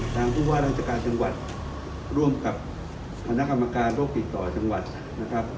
ทางผู้ว่าราชการจังหวัดร่วมกับคณะกรรมการโรคติดต่อจังหวัดนะครับ